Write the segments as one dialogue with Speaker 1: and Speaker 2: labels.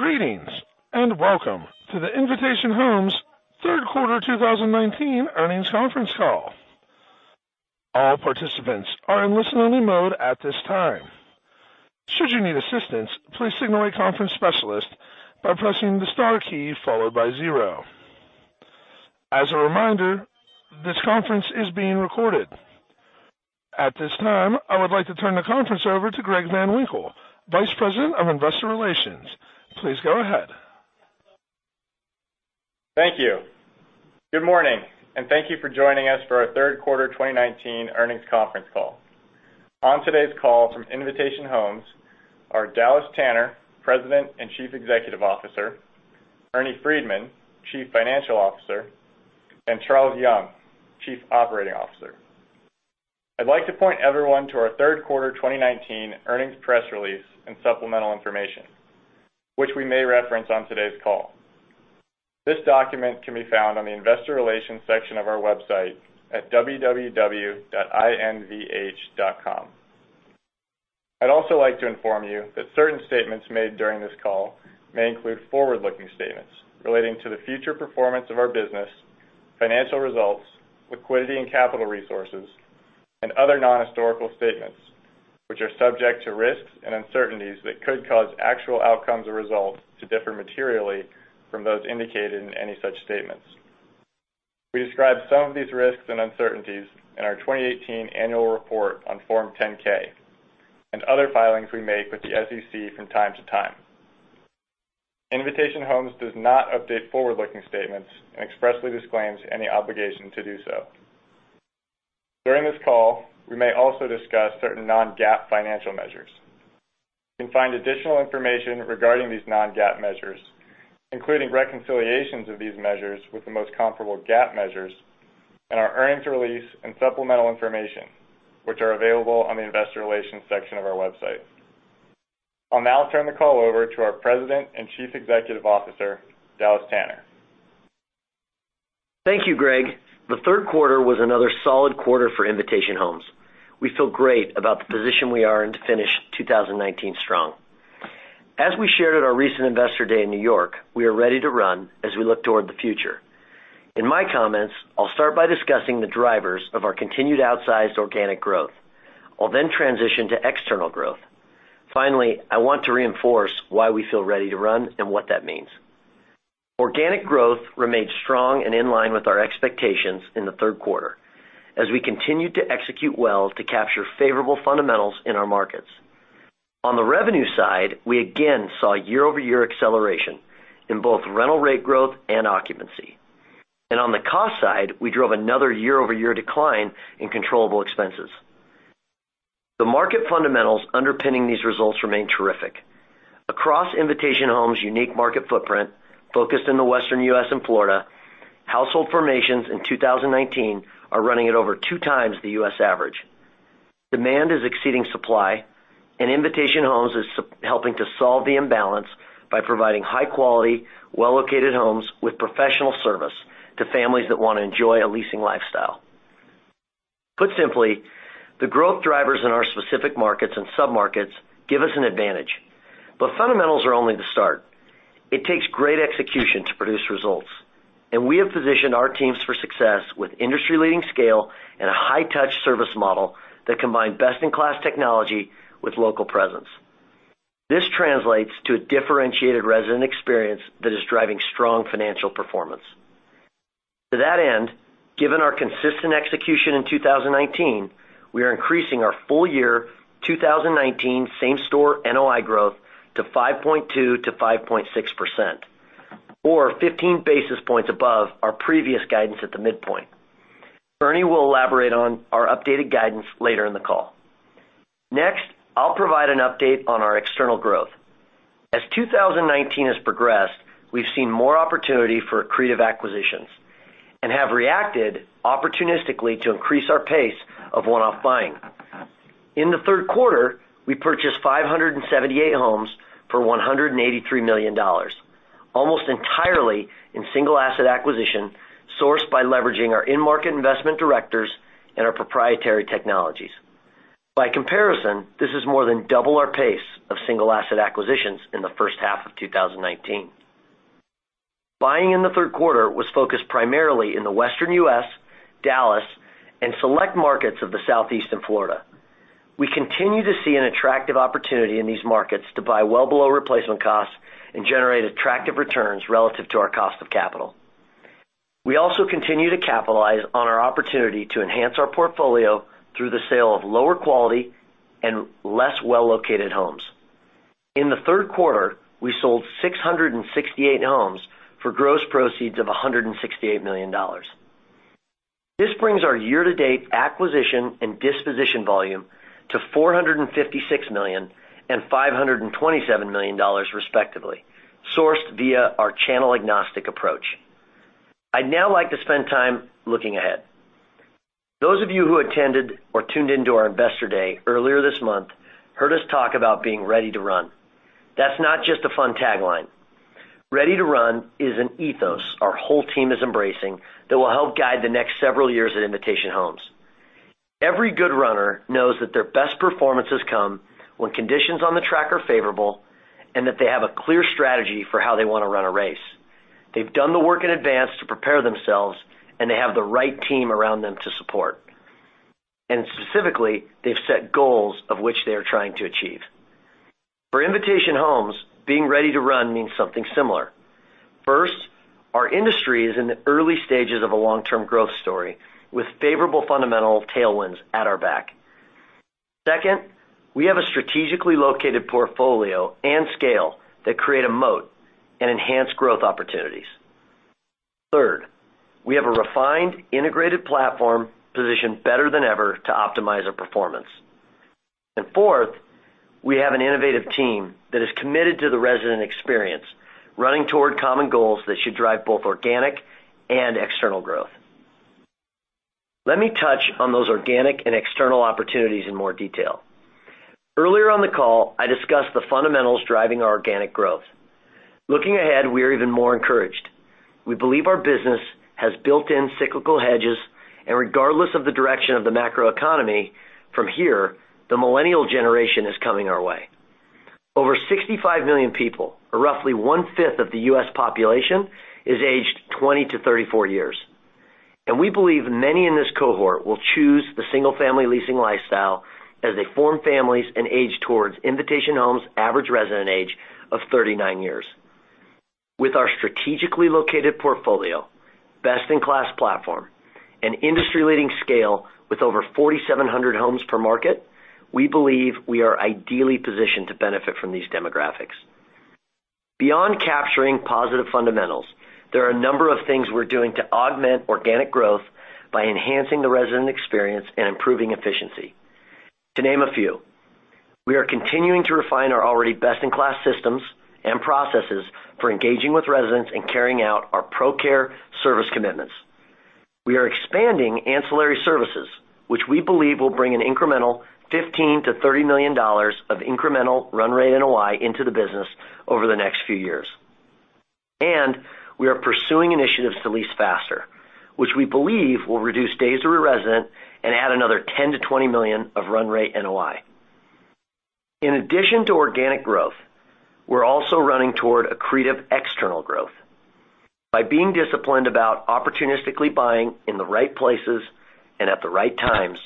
Speaker 1: Greetings, and welcome to the Invitation Homes third quarter 2019 earnings conference call. All participants are in listen-only mode at this time. Should you need assistance, please signal a conference specialist by pressing the star key followed by zero. As a reminder, this conference is being recorded. At this time, I would like to turn the conference over to Greg Van Winkle, Vice President of Investor Relations. Please go ahead.
Speaker 2: Thank you. Good morning, and thank you for joining us for our third quarter 2019 earnings conference call. On today's call from Invitation Homes are Dallas Tanner, President and Chief Executive Officer, Ernie Freedman, Chief Financial Officer, and Charles Young, Chief Operating Officer. I'd like to point everyone to our third quarter 2019 earnings press release and supplemental information, which we may reference on today's call. This document can be found on the investor relations section of our website at www.invh.com. I'd also like to inform you that certain statements made during this call may include forward-looking statements relating to the future performance of our business, financial results, liquidity and capital resources, and other non-historical statements, which are subject to risks and uncertainties that could cause actual outcomes or results to differ materially from those indicated in any such statements. We describe some of these risks and uncertainties in our 2018 annual report on Form 10-K and other filings we make with the SEC from time to time. Invitation Homes does not update forward-looking statements and expressly disclaims any obligation to do so. During this call, we may also discuss certain non-GAAP financial measures. You can find additional information regarding these non-GAAP measures, including reconciliations of these measures with the most comparable GAAP measures in our earnings release and supplemental information, which are available on the investor relations section of our website. I'll now turn the call over to our President and Chief Executive Officer, Dallas Tanner.
Speaker 3: Thank you, Greg. The third quarter was another solid quarter for Invitation Homes. We feel great about the position we are in to finish 2019 strong. As we shared at our recent Investor Day in New York, we are ready to run as we look toward the future. In my comments, I'll start by discussing the drivers of our continued outsized organic growth. I'll transition to external growth. Finally, I want to reinforce why we feel ready to run and what that means. Organic growth remained strong and in line with our expectations in the third quarter as we continued to execute well to capture favorable fundamentals in our markets. On the revenue side, we again saw year-over-year acceleration in both rental rate growth and occupancy. On the cost side, we drove another year-over-year decline in controllable expenses. The market fundamentals underpinning these results remain terrific. Across Invitation Homes' unique market footprint, focused in the Western U.S. and Florida, household formations in 2019 are running at over two times the U.S. average. Demand is exceeding supply, and Invitation Homes is helping to solve the imbalance by providing high-quality, well-located homes with professional service to families that want to enjoy a leasing lifestyle. Put simply, the growth drivers in our specific markets and sub-markets give us an advantage. Fundamentals are only the start. It takes great execution to produce results, and we have positioned our teams for success with industry-leading scale and a high-touch service model that combine best-in-class technology with local presence. This translates to a differentiated resident experience that is driving strong financial performance. To that end, given our consistent execution in 2019, we are increasing our full year 2019 same store NOI growth to 5.2% to 5.6%, or 15 basis points above our previous guidance at the midpoint. Ernie will elaborate on our updated guidance later in the call. Next, I'll provide an update on our external growth. As 2019 has progressed, we've seen more opportunity for accretive acquisitions and have reacted opportunistically to increase our pace of one-off buying. In the third quarter, we purchased 578 homes for $183 million, almost entirely in single asset acquisition sourced by leveraging our in-market investment directors and our proprietary technologies. By comparison, this is more than double our pace of single asset acquisitions in the first half of 2019. Buying in the third quarter was focused primarily in the Western U.S., Dallas, and select markets of the Southeast and Florida. We continue to see an attractive opportunity in these markets to buy well below replacement costs and generate attractive returns relative to our cost of capital. We also continue to capitalize on our opportunity to enhance our portfolio through the sale of lower quality and less well-located homes. In the third quarter, we sold 668 homes for gross proceeds of $168 million. This brings our year-to-date acquisition and disposition volume to $456 million and $527 million respectively, sourced via our channel-agnostic approach. I'd now like to spend time looking ahead. Those of you who attended or tuned into our Investor Day earlier this month heard us talk about being ready to run. That's not just a fun tagline. Ready to run is an ethos our whole team is embracing that will help guide the next several years at Invitation Homes. Every good runner knows that their best performances come when conditions on the track are favorable, and that they have a clear strategy for how they want to run a race. They've done the work in advance to prepare themselves, and they have the right team around them to support. Specifically, they've set goals of which they are trying to achieve. For Invitation Homes, being ready to run means something similar. First, our industry is in the early stages of a long-term growth story, with favorable fundamental tailwinds at our back. Second, we have a strategically located portfolio and scale that create a moat and enhance growth opportunities. Third, we have a refined, integrated platform positioned better than ever to optimize our performance. Fourth, we have an innovative team that is committed to the resident experience, running toward common goals that should drive both organic and external growth. Let me touch on those organic and external opportunities in more detail. Earlier on the call, I discussed the fundamentals driving our organic growth. Looking ahead, we are even more encouraged. We believe our business has built-in cyclical hedges, and regardless of the direction of the macroeconomy from here, the millennial generation is coming our way. Over 65 million people, or roughly one-fifth of the U.S. population, is aged 20 to 34 years. We believe many in this cohort will choose the single-family leasing lifestyle as they form families and age towards Invitation Homes' average resident age of 39 years. With our strategically located portfolio, best-in-class platform, and industry-leading scale with over 4,700 homes per market, we believe we are ideally positioned to benefit from these demographics. Beyond capturing positive fundamentals, there are a number of things we're doing to augment organic growth by enhancing the resident experience and improving efficiency. To name a few, we are continuing to refine our already best-in-class systems and processes for engaging with residents and carrying out our ProCare service commitments. We are expanding ancillary services, which we believe will bring an incremental $15 million-$30 million of incremental run rate NOI into the business over the next few years. We are pursuing initiatives to lease faster, which we believe will reduce days to re-resident and add another $10 million-$20 million of run rate NOI. In addition to organic growth, we're also running toward accretive external growth. By being disciplined about opportunistically buying in the right places and at the right times,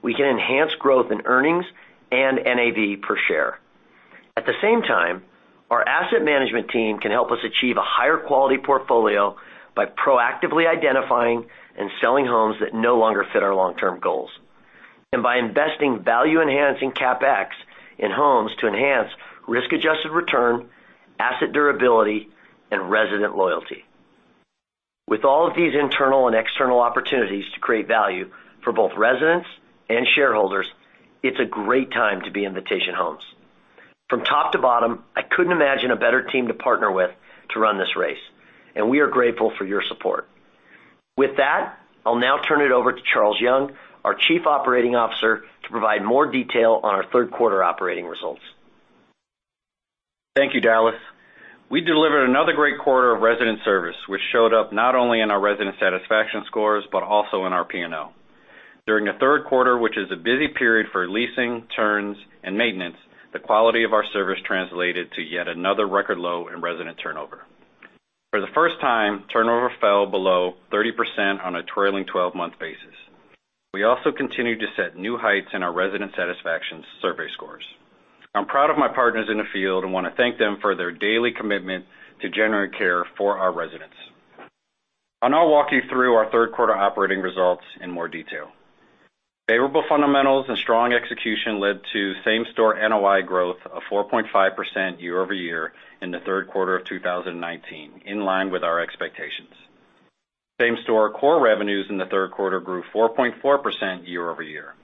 Speaker 3: we can enhance growth in earnings and NAV per share. At the same time, our asset management team can help us achieve a higher quality portfolio by proactively identifying and selling homes that no longer fit our long-term goals, and by investing value-enhancing CapEx in homes to enhance risk-adjusted return, asset durability, and resident loyalty. With all of these internal and external opportunities to create value for both residents and shareholders, it's a great time to be Invitation Homes. From top to bottom, I couldn't imagine a better team to partner with to run this race, and we are grateful for your support. With that, I'll now turn it over to Charles Young, our Chief Operating Officer, to provide more detail on our third quarter operating results.
Speaker 4: Thank you, Dallas. We delivered another great quarter of resident service, which showed up not only in our resident satisfaction scores but also in our P&L. During the third quarter, which is a busy period for leasing, turns, and maintenance, the quality of our service translated to yet another record low in resident turnover. For the first time, turnover fell below 30% on a trailing 12-month basis. We also continued to set new heights in our resident satisfaction survey scores. I'm proud of my partners in the field and want to thank them for their daily commitment to generate care for our residents. I'll now walk you through our third quarter operating results in more detail. Favorable fundamentals and strong execution led to same-store NOI growth of 4.5% year-over-year in the third quarter of 2019, in line with our expectations. Same-store core revenues in the third quarter grew 4.4% year-over-year.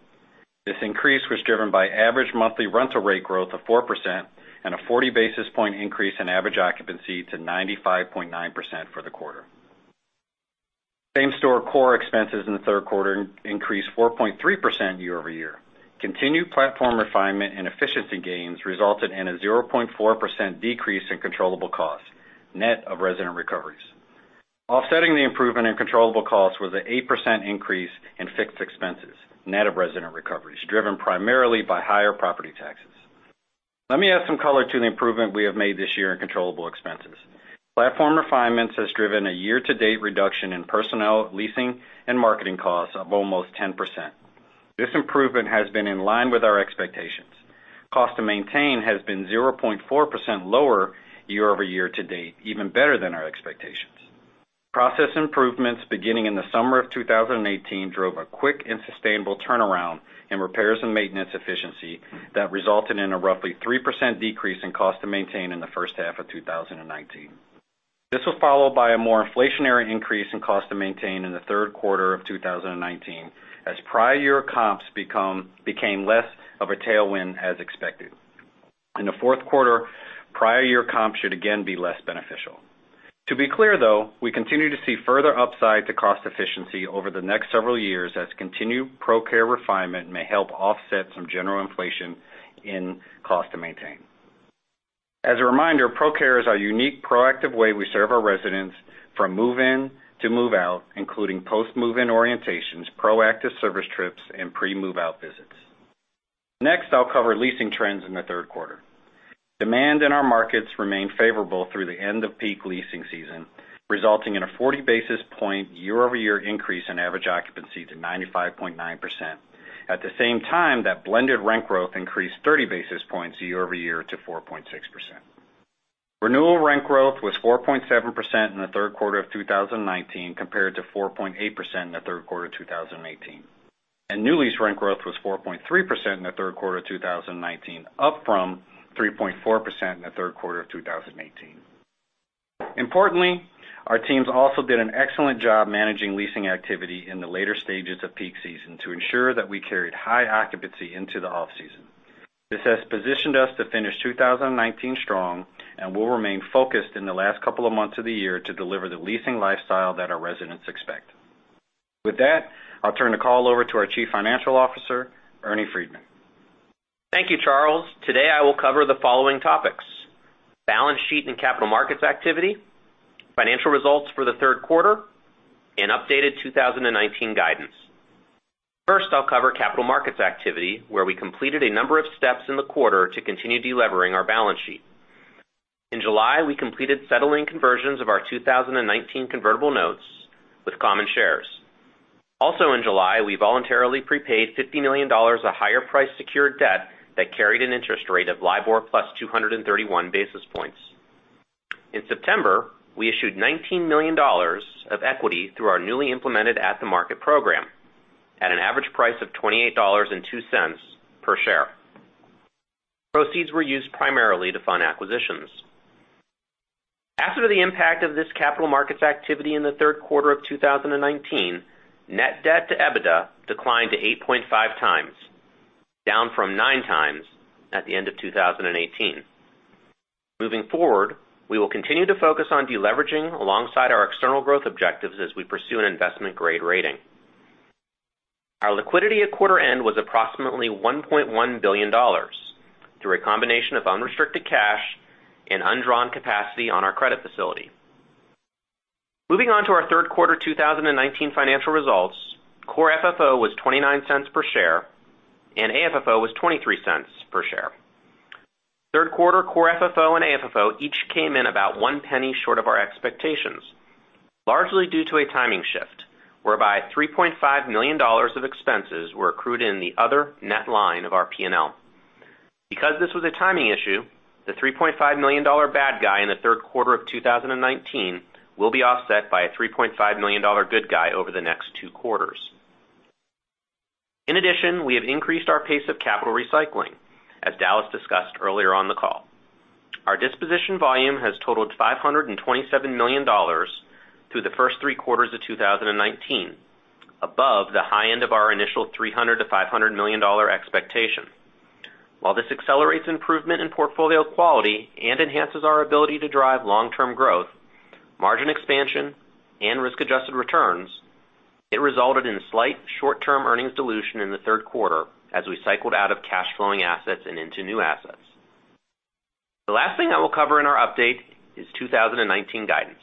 Speaker 4: This increase was driven by average monthly rental rate growth of 4% and a 40-basis-point increase in average occupancy to 95.9% for the quarter. Same-store core expenses in the third quarter increased 4.3% year-over-year. Continued platform refinement and efficiency gains resulted in a 0.4% decrease in controllable costs, net of resident recoveries. Offsetting the improvement in controllable costs was an 8% increase in fixed expenses, net of resident recoveries, driven primarily by higher property taxes. Let me add some color to the improvement we have made this year in controllable expenses. Platform refinements has driven a year-to-date reduction in personnel, leasing, and marketing costs of almost 10%. This improvement has been in line with our expectations. Cost to maintain has been 0.4% lower year-over-year to date, even better than our expectations. Process improvements beginning in the summer of 2018 drove a quick and sustainable turnaround in repairs and maintenance efficiency that resulted in a roughly 3% decrease in cost to maintain in the first half of 2019. This was followed by a more inflationary increase in cost to maintain in the third quarter of 2019, as prior year comps became less of a tailwind as expected. In the fourth quarter, prior year comps should again be less beneficial. To be clear, though, we continue to see further upside to cost efficiency over the next several years as continued ProCare refinement may help offset some general inflation in cost to maintain. As a reminder, ProCare is our unique, proactive way we serve our residents from move-in to move-out, including post move-in orientations, proactive service trips, and pre-move-out visits. Next, I'll cover leasing trends in the third quarter. Demand in our markets remained favorable through the end of peak leasing season, resulting in a 40 basis point year-over-year increase in average occupancy to 95.9%. At the same time, that blended rent growth increased 30 basis points year-over-year to 4.6%. Renewal rent growth was 4.7% in the third quarter of 2019 compared to 4.8% in the third quarter 2018. New lease rent growth was 4.3% in the third quarter 2019, up from 3.4% in the third quarter of 2018. Importantly, our teams also did an excellent job managing leasing activity in the later stages of peak season to ensure that we carried high occupancy into the off-season. This has positioned us to finish 2019 strong and will remain focused in the last couple of months of the year to deliver the leasing lifestyle that our residents expect. With that, I'll turn the call over to our Chief Financial Officer, Ernie Freedman.
Speaker 5: Thank you, Charles. Today I will cover the following topics: balance sheet and capital markets activity, financial results for the third quarter, and updated 2019 guidance. First, I'll cover capital markets activity, where we completed a number of steps in the quarter to continue deleveraging our balance sheet. In July, we completed settling conversions of our 2019 convertible notes with common shares. Also in July, we voluntarily prepaid $50 million of higher price secured debt that carried an interest rate of LIBOR plus 231 basis points. In September, we issued $19 million of equity through our newly implemented at-the-market program at an average price of $28.02 per share. Proceeds were used primarily to fund acquisitions. After the impact of this capital markets activity in the third quarter of 2019, net debt to EBITDA declined to 8.5x, down from 9x at the end of 2018. Moving forward, we will continue to focus on de-leveraging alongside our external growth objectives as we pursue an investment-grade rating. Our liquidity at quarter end was approximately $1.1 billion through a combination of unrestricted cash and undrawn capacity on our credit facility. Moving on to our third quarter 2019 financial results, core FFO was $0.29 per share, and AFFO was $0.23 per share. Third quarter core FFO and AFFO each came in about $0.01 short of our expectations, largely due to a timing shift whereby $3.5 million of expenses were accrued in the other net line of our P&L. Because this was a timing issue, the $3.5 million bad guy in the third quarter of 2019 will be offset by a $3.5 million good guy over the next two quarters. In addition, we have increased our pace of capital recycling, as Dallas discussed earlier on the call. Our disposition volume has totaled $527 million through the first three quarters of 2019, above the high end of our initial $300 million-$500 million expectation. While this accelerates improvement in portfolio quality and enhances our ability to drive long-term growth, margin expansion, and risk-adjusted returns, it resulted in slight short-term earnings dilution in the third quarter as we cycled out of cash flowing assets and into new assets. The last thing I will cover in our update is 2019 guidance.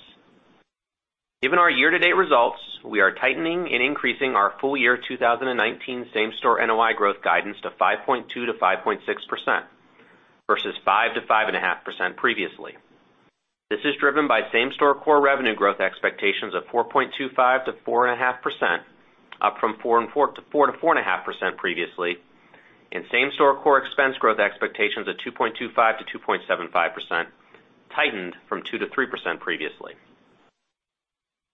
Speaker 5: Given our year-to-date results, we are tightening and increasing our full year 2019 same store NOI growth guidance to 5.2%-5.6%, versus 5%-5.5% previously. This is driven by same store core revenue growth expectations of 4.25%-4.5%, up from 4%-4.5% previously, and same store core expense growth expectations of 2.25%-2.75%, tightened from 2%-3% previously.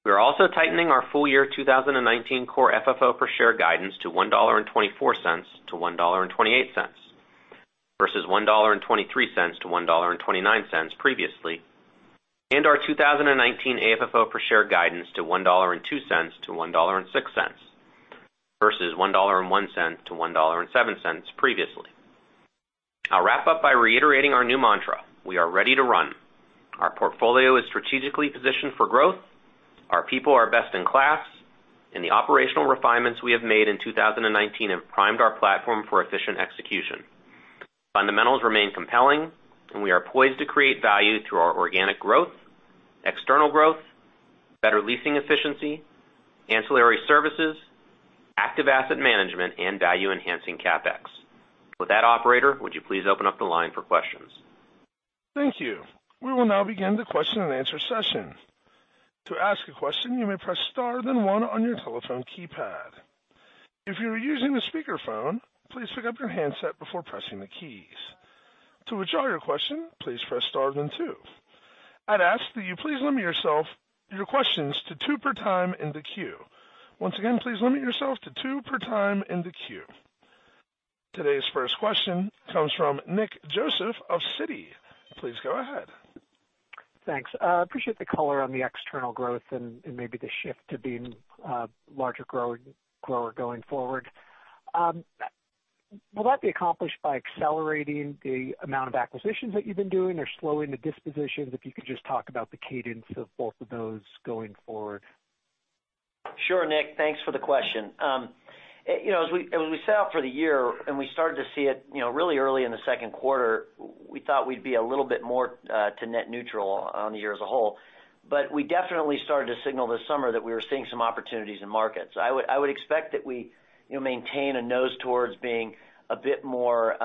Speaker 5: We are also tightening our full year 2019 core FFO per share guidance to $1.24-$1.28, versus $1.23-$1.29 previously, and our 2019 AFFO per share guidance to $1.02-$1.06, versus $1.01-$1.07 previously. I'll wrap up by reiterating our new mantra. We are ready to run. Our portfolio is strategically positioned for growth, our people are best in class, the operational refinements we have made in 2019 have primed our platform for efficient execution. Fundamentals remain compelling, we are poised to create value through our organic growth, external growth, better leasing efficiency, ancillary services, active asset management, and value-enhancing CapEx. With that, operator, would you please open up the line for questions?
Speaker 1: Thank you. We will now begin the question and answer session. To ask a question, you may press star then one on your telephone keypad. If you are using the speakerphone, please pick up your handset before pressing the keys. To withdraw your question, please press star then two. I'd ask that you please limit your questions to two per time in the queue. Once again, please limit yourself to two per time in the queue. Today's first question comes from Nick Joseph of Citi. Please go ahead.
Speaker 6: Thanks. I appreciate the color on the external growth and maybe the shift to being a larger grower going forward. Will that be accomplished by accelerating the amount of acquisitions that you've been doing or slowing the dispositions? If you could just talk about the cadence of both of those going forward.
Speaker 3: Sure, Nick. Thanks for the question. As we set out for the year, and we started to see it really early in the second quarter, we thought we'd be a little bit more to net neutral on the year as a whole. We definitely started to signal this summer that we were seeing some opportunities in markets. I would expect that we maintain a nose towards being a bit more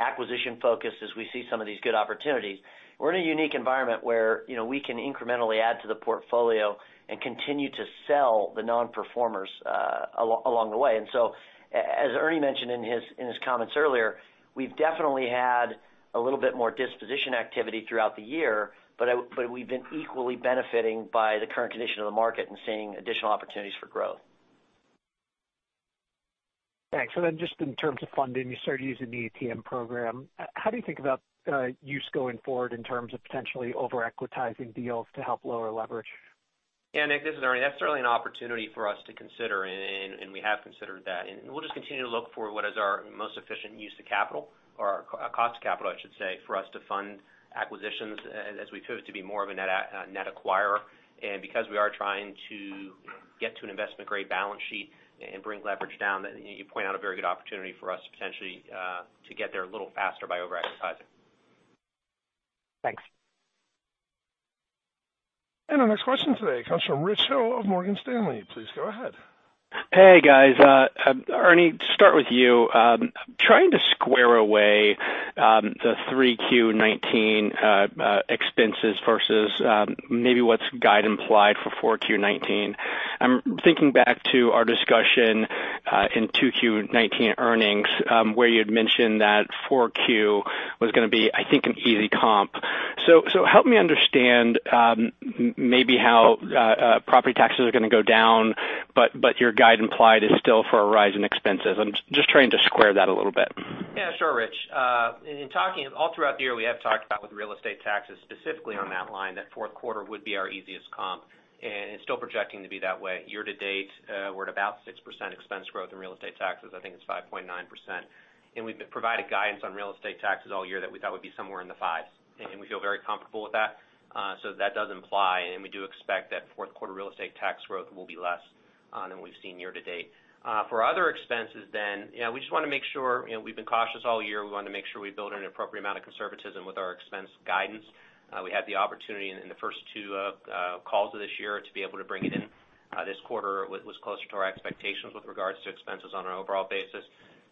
Speaker 3: acquisition-focused as we see some of these good opportunities. We're in a unique environment where we can incrementally add to the portfolio and continue to sell the non-performers along the way. As Ernie mentioned in his comments earlier, we've definitely had a little bit more disposition activity throughout the year, but we've been equally benefiting by the current condition of the market and seeing additional opportunities for growth.
Speaker 6: Thanks. Just in terms of funding, you started using the ATM program. How do you think about use going forward in terms of potentially over-equitizing deals to help lower leverage?
Speaker 5: Yeah, Nick, this is Ernie. That's certainly an opportunity for us to consider, and we have considered that. We'll just continue to look for what is our most efficient use of capital or our cost of capital, I should say, for us to fund acquisitions as we pivot to be more of a net acquirer. Because we are trying to get to an investment-grade balance sheet and bring leverage down, you point out a very good opportunity for us, potentially, to get there a little faster by over-equitizing.
Speaker 6: Thanks.
Speaker 1: Our next question today comes from Rich Hill of Morgan Stanley. Please go ahead.
Speaker 7: Hey, guys. Ernie, to start with you, I'm trying to square away the 3Q 2019 expenses versus maybe what's guide implied for 4Q 2019. I'm thinking back to our discussion in 2Q 2019 earnings, where you had mentioned that 4Q was going to be, I think, an easy comp. Help me understand maybe how property taxes are going to go down, but your guide implied is still for a rise in expenses. I'm just trying to square that a little bit.
Speaker 5: Yeah, sure, Rich. All throughout the year, we have talked about, with real estate taxes specifically on that line, that fourth quarter would be our easiest comp, and it's still projecting to be that way. Year to date, we're at about 6% expense growth in real estate taxes. I think it's 5.9%. We've provided guidance on real estate taxes all year that we thought would be somewhere in the fives. We feel very comfortable with that. That does imply, and we do expect that fourth quarter real estate tax growth will be less than we've seen year to date. For other expenses, we've been cautious all year. We wanted to make sure we build in an appropriate amount of conservatism with our expense guidance. We had the opportunity in the first two calls of this year to be able to bring it in. This quarter was closer to our expectations with regards to expenses on an overall basis.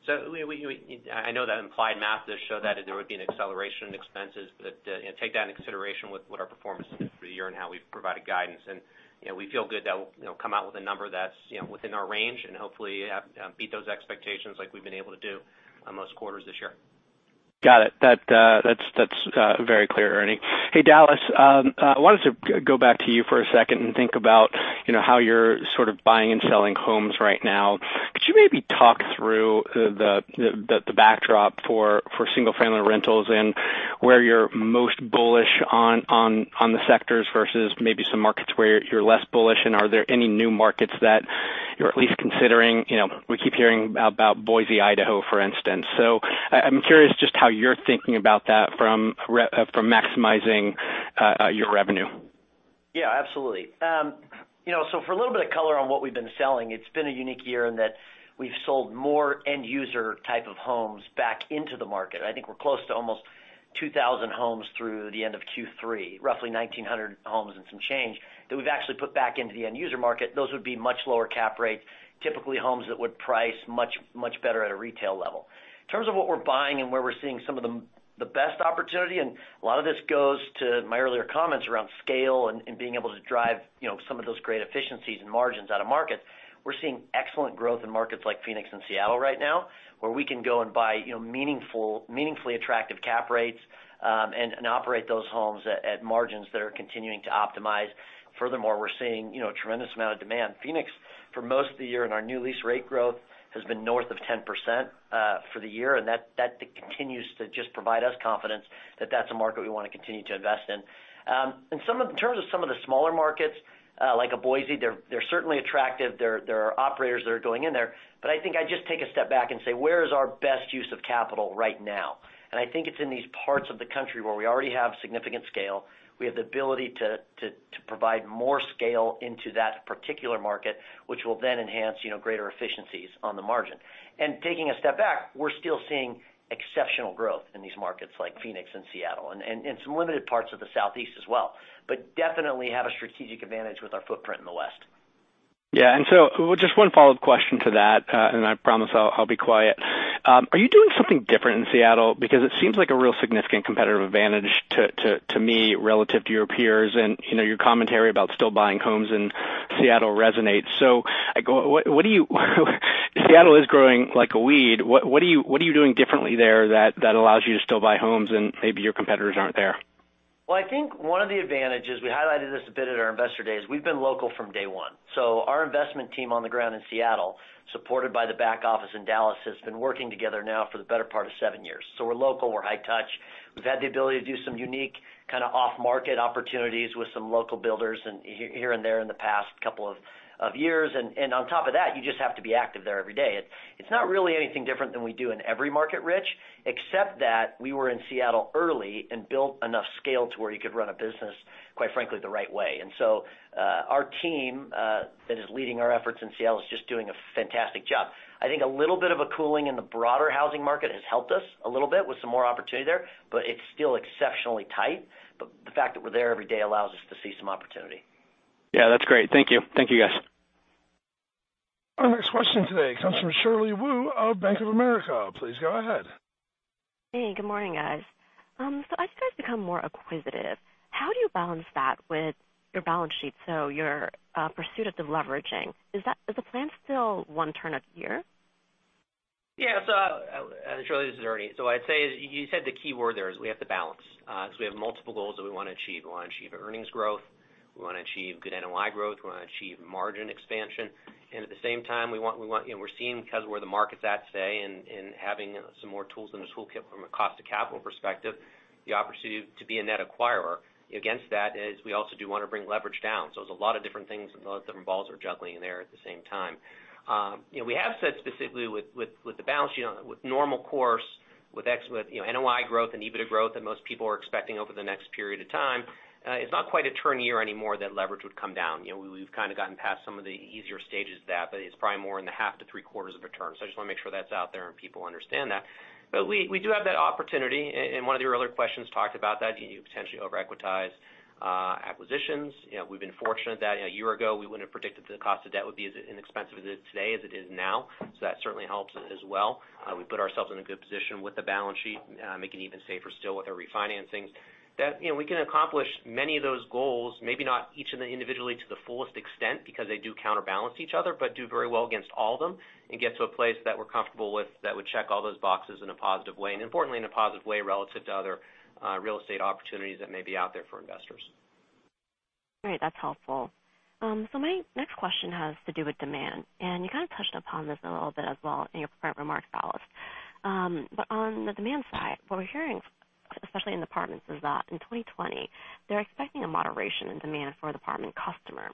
Speaker 5: I know that implied math does show that there would be an acceleration in expenses, but take that into consideration with what our performance has been for the year and how we've provided guidance. We feel good that we'll come out with a number that's within our range and hopefully beat those expectations like we've been able to do on most quarters this year.
Speaker 7: Got it. That's very clear, Ernie. Hey, Dallas, I wanted to go back to you for a second and think about how you're sort of buying and selling homes right now. Could you maybe talk through the backdrop for single-family rentals and where you're most bullish on the sectors versus maybe some markets where you're less bullish? Are there any new markets that you're at least considering? We keep hearing about Boise, Idaho, for instance. I'm curious just how you're thinking about that from maximizing your revenue.
Speaker 3: Yeah, absolutely. For a little bit of color on what we've been selling, it's been a unique year in that we've sold more end-user type of homes back into the market. I think we're close to almost 2,000 homes through the end of Q3, roughly 1,900 homes and some change, that we've actually put back into the end-user market. Those would be much lower cap rates, typically homes that would price much better at a retail level. In terms of what we're buying and where we're seeing some of the best opportunity, and a lot of this goes to my earlier comments around scale and being able to drive some of those great efficiencies and margins out of markets, we're seeing excellent growth in markets like Phoenix and Seattle right now, where we can go and buy meaningfully attractive cap rates and operate those homes at margins that are continuing to optimize. Furthermore, we're seeing a tremendous amount of demand. Phoenix, for most of the year, and our new lease rate growth has been north of 10% for the year, and that continues to just provide us confidence that that's a market we want to continue to invest in. In terms of some of the smaller markets, like a Boise, they're certainly attractive. There are operators that are going in there. I think I'd just take a step back and say, "Where is our best use of capital right now?" I think it's in these parts of the country where we already have significant scale. We have the ability to provide more scale into that particular market, which will then enhance greater efficiencies on the margin. Taking a step back, we're still seeing exceptional growth in these markets like Phoenix and Seattle and some limited parts of the Southeast as well. Definitely have a strategic advantage with our footprint in the West.
Speaker 7: Yeah. Just one follow-up question to that, and I promise I'll be quiet. Are you doing something different in Seattle? Because it seems like a real significant competitive advantage to me relative to your peers, and your commentary about still buying homes in Seattle resonates. Seattle is growing like a weed. What are you doing differently there that allows you to still buy homes and maybe your competitors aren't there?
Speaker 3: I think one of the advantages, we highlighted this a bit at our investor days, we've been local from day one. Our investment team on the ground in Seattle, supported by the back office in Dallas, has been working together now for the better part of seven years. We're local, we're high touch. We've had the ability to do some unique kind of off-market opportunities with some local builders here and there in the past couple of years. On top of that, you just have to be active there every day. It's not really anything different than we do in every market, Rich, except that we were in Seattle early and built enough scale to where you could run a business. Quite frankly, the right way. Our team that is leading our efforts in sales is just doing a fantastic job. I think a little bit of a cooling in the broader housing market has helped us a little bit with some more opportunity there, but it's still exceptionally tight. The fact that we're there every day allows us to see some opportunity.
Speaker 7: Yeah, that's great. Thank you. Thank you, guys.
Speaker 1: Our next question today comes from Shirley Wu of Bank of America. Please go ahead.
Speaker 8: Hey, good morning, guys. As you guys become more acquisitive, how do you balance that with your balance sheet, so your pursuit of deleveraging? Is the plan still one turn a year?
Speaker 5: Yeah. Shirley, this is Ernie. I'd say, you said the key word there is we have to balance, because we have multiple goals that we want to achieve. We want to achieve earnings growth. We want to achieve good NOI growth. We want to achieve margin expansion. At the same time, we're seeing because of where the market's at today and having some more tools in the toolkit from a cost of capital perspective, the opportunity to be a net acquirer. Against that is we also do want to bring leverage down. There's a lot of different things and a lot of different balls we're juggling in there at the same time. We have said specifically with the balance sheet, with normal course, with NOI growth and EBITDA growth that most people are expecting over the next period of time, it's not quite a turn year anymore that leverage would come down. We've kind of gotten past some of the easier stages of that, but it's probably more in the half to three-quarters of a turn. I just want to make sure that's out there and people understand that. We do have that opportunity, and one of your other questions talked about that, do you potentially over-equitize acquisitions? We've been fortunate that a year ago, we wouldn't have predicted the cost of debt would be as inexpensive as it is now. That certainly helps as well. We put ourselves in a good position with the balance sheet, make it even safer still with our refinancing. We can accomplish many of those goals, maybe not each of them individually to the fullest extent, because they do counterbalance each other, but do very well against all of them and get to a place that we're comfortable with that would check all those boxes in a positive way, and importantly in a positive way relative to other real estate opportunities that may be out there for investors.
Speaker 8: Great. That's helpful. My next question has to do with demand, and you kind of touched upon this a little bit as well in your prepared remarks, Dallas. On the demand side, what we're hearing, especially in apartments, is that in 2020, they're expecting a moderation in demand for the apartment customer.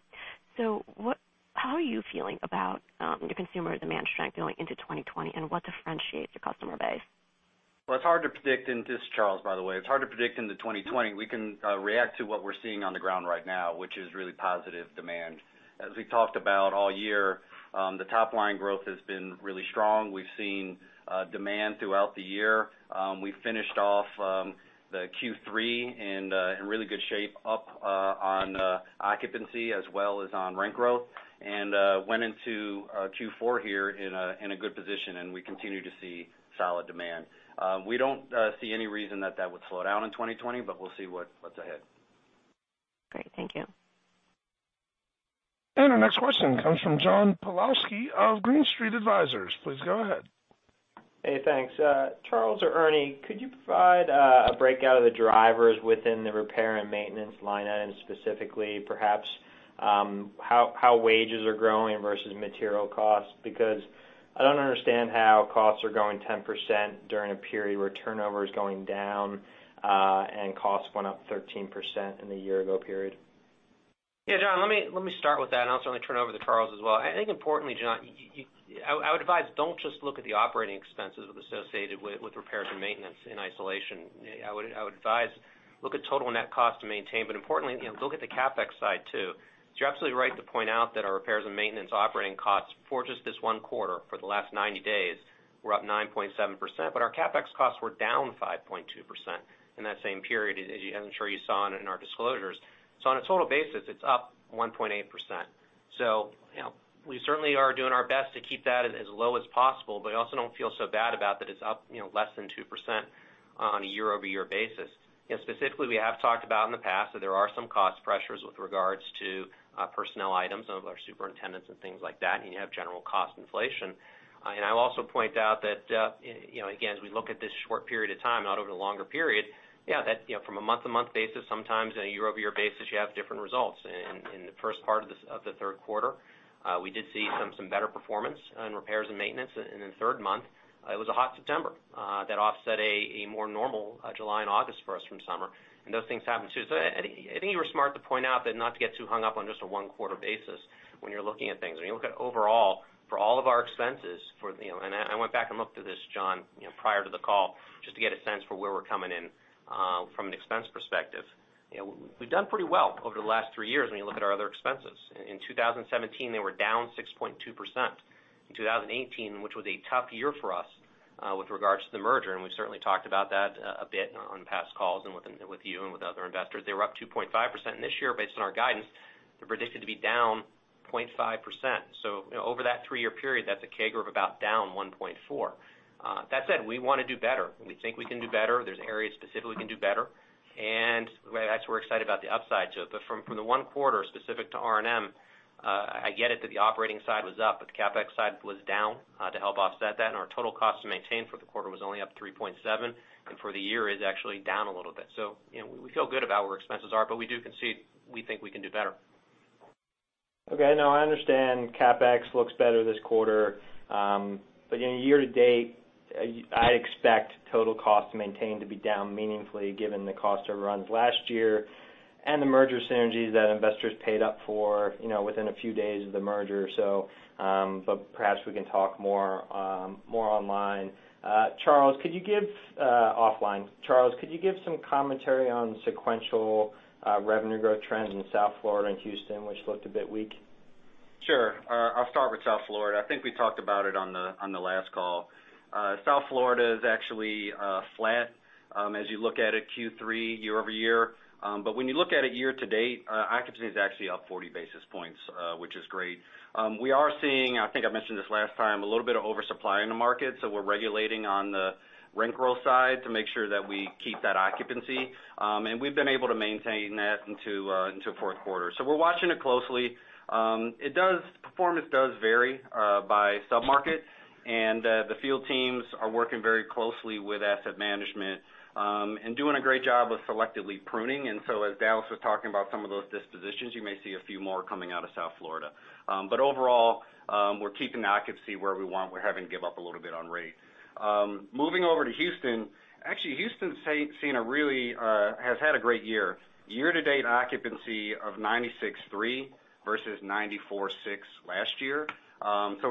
Speaker 8: How are you feeling about your consumer demand strength going into 2020, and what differentiates your customer base?
Speaker 4: It's hard to predict, and this is Charles, by the way. It's hard to predict into 2020. We can react to what we're seeing on the ground right now, which is really positive demand. As we talked about all year, the top-line growth has been really strong. We've seen demand throughout the year. We finished off the Q3 in really good shape, up on occupancy as well as on rent growth, and went into Q4 here in a good position, and we continue to see solid demand. We don't see any reason that that would slow down in 2020, but we'll see what's ahead.
Speaker 8: Great. Thank you.
Speaker 1: Our next question comes from John Pawlowski of Green Street Advisors. Please go ahead.
Speaker 9: Hey, thanks. Charles or Ernie, could you provide a breakout of the drivers within the repair and maintenance line items, specifically perhaps how wages are growing versus material costs? I don't understand how costs are growing 10% during a period where turnover is going down, and costs went up 13% in the year-ago period.
Speaker 5: John, let me start with that, and I'll certainly turn it over to Charles as well. I think importantly, John, I would advise, don't just look at the operating expenses associated with repairs and maintenance in isolation. I would advise look at total net cost to maintain, importantly, look at the CapEx side, too. You're absolutely right to point out that our repairs and maintenance operating costs for just this one quarter, for the last 90 days, were up 9.7%, our CapEx costs were down 5.2% in that same period, as I'm sure you saw in our disclosures. On a total basis, it's up 1.8%. We certainly are doing our best to keep that as low as possible, also don't feel so bad about that it's up less than 2% on a year-over-year basis. Specifically, we have talked about in the past that there are some cost pressures with regards to personnel items, some of our superintendents and things like that, and you have general cost inflation. I'll also point out that, again, as we look at this short period of time, not over the longer period, yeah, from a month-to-month basis, sometimes on a year-over-year basis, you have different results. In the first part of the third quarter, we did see some better performance on repairs and maintenance in the third month. It was a hot September that offset a more normal July and August for us from summer, and those things happen, too. I think you were smart to point out that not to get too hung up on just a one-quarter basis when you're looking at things. When you look at overall, for all of our expenses, and I went back and looked at this, John, prior to the call, just to get a sense for where we're coming in from an expense perspective. We've done pretty well over the last three years when you look at our other expenses. In 2017, they were down 6.2%. In 2018, which was a tough year for us with regards to the merger, and we've certainly talked about that a bit on past calls and with you and with other investors. They were up 2.5%, and this year, based on our guidance, they're predicted to be down 0.5%. Over that three-year period, that's a CAGR of about down 1.4. That said, we want to do better. We think we can do better. There's areas specifically we can do better. That's we're excited about the upside to it. From the one quarter specific to R&M, I get it that the operating side was up, but the CapEx side was down to help offset that, and our total cost to maintain for the quarter was only up 3.7, and for the year is actually down a little bit. We feel good about where expenses are, but we do concede we think we can do better.
Speaker 9: Okay. No, I understand CapEx looks better this quarter. Year to date, I expect total cost to maintain to be down meaningfully given the cost overruns last year and the merger synergies that investors paid up for within a few days of the merger or so. Perhaps we can talk more online. offline. Charles, could you give some commentary on sequential revenue growth trends in South Florida and Houston, which looked a bit weak?
Speaker 4: Sure. I'll start with South Florida. I think we talked about it on the last call. South Florida is actually flat as you look at it Q3 year-over-year. When you look at it year-to-date, occupancy is actually up 40 basis points, which is great. We are seeing, I think I mentioned this last time, a little bit of oversupply in the market, so we're regulating on the rent roll side to make sure that we keep that occupancy. We've been able to maintain that into fourth quarter. We're watching it closely. Performance does vary by sub-market, and the field teams are working very closely with asset management, and doing a great job of selectively pruning. As Dallas was talking about some of those dispositions, you may see a few more coming out of South Florida. Overall, we're keeping the occupancy where we want. We're having to give up a little bit on rate. Moving over to Houston, actually, Houston has had a great year. Year-to-date occupancy of 96.3 versus 94.6 last year.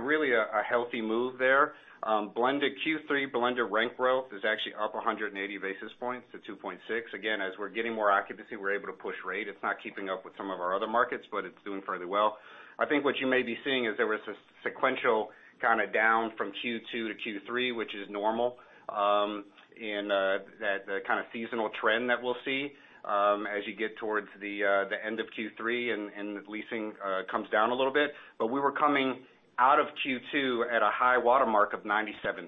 Speaker 4: Really a healthy move there. Q3 blended rent growth is actually up 180 basis points to 2.6. Again, as we're getting more occupancy, we're able to push rate. It's not keeping up with some of our other markets, but it's doing fairly well. I think what you may be seeing is there was this sequential kind of down from Q2 to Q3, which is normal, in the kind of seasonal trend that we'll see as you get towards the end of Q3 and the leasing comes down a little bit. We were coming out of Q2 at a high watermark of 97.3.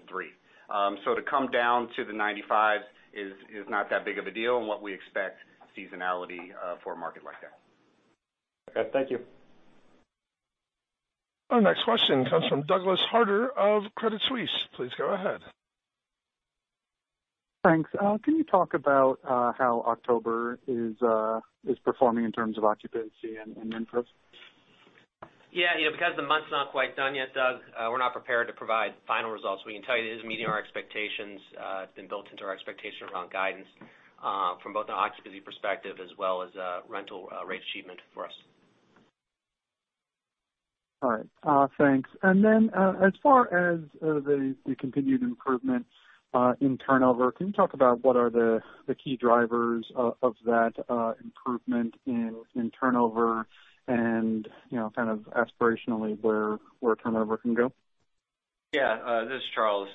Speaker 4: To come down to the 95 is not that big of a deal and what we expect seasonality for a market like that.
Speaker 9: Okay, thank you.
Speaker 1: Our next question comes from Douglas Harter of Credit Suisse. Please go ahead.
Speaker 10: Thanks. Can you talk about how October is performing in terms of occupancy and improvements?
Speaker 5: Yeah. Because the month's not quite done yet, Doug, we're not prepared to provide final results. We can tell you it is meeting our expectations. It's been built into our expectation around guidance, from both an occupancy perspective as well as a rental rate achievement for us.
Speaker 10: All right. Thanks. As far as the continued improvement in turnover, can you talk about what are the key drivers of that improvement in turnover and kind of aspirationally where turnover can go?
Speaker 4: This is Charles.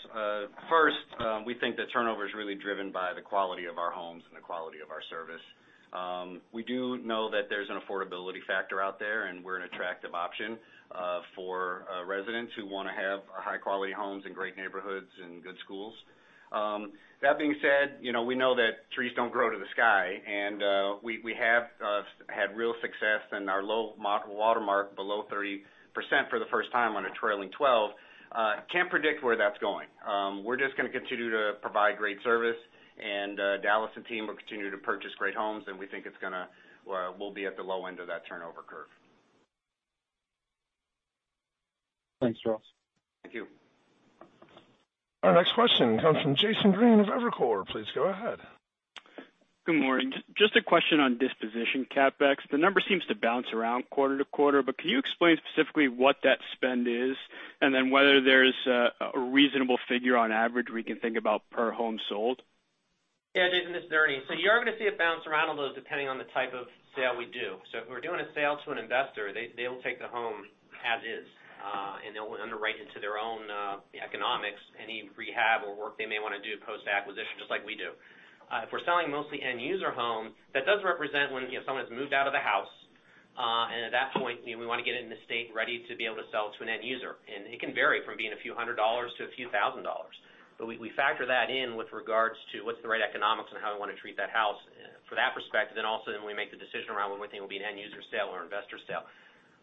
Speaker 4: First, we think that turnover is really driven by the quality of our homes and the quality of our service. We do know that there's an affordability factor out there. We're an attractive option for residents who want to have high-quality homes in great neighborhoods and good schools. That being said, we know that trees don't grow to the sky. We have had real success in our low watermark below 30% for the first time on a trailing 12. Can't predict where that's going. We're just going to continue to provide great service. Dallas and team will continue to purchase great homes. We think we'll be at the low end of that turnover curve.
Speaker 10: Thanks, Charles.
Speaker 4: Thank you.
Speaker 1: Our next question comes from Jason Green of Evercore. Please go ahead.
Speaker 11: Good morning. Just a question on disposition CapEx. The number seems to bounce around quarter to quarter, but can you explain specifically what that spend is, and then whether there's a reasonable figure on average we can think about per home sold?
Speaker 5: Yeah, Jason, this is Ernie. You are going to see it bounce around a little depending on the type of sale we do. If we're doing a sale to an investor, they'll take the home as is, and they'll underwrite into their own economics any rehab or work they may want to do post-acquisition, just like we do. If we're selling mostly end-user homes, that does represent when someone's moved out of the house. At that point, we want to get it in the state ready to be able to sell to an end user. It can vary from being a few hundred $ to a few thousand $. We factor that in with regards to what's the right economics and how we want to treat that house for that perspective. Also, then we make the decision around when we think it'll be an end-user sale or investor sale.